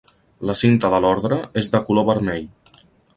La cinta de l'ordre és de color vermell.